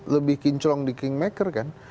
lebih kinclong di kingmaker kan